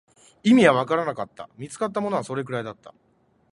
意味はわからなかった、見つかったものはそれくらいだった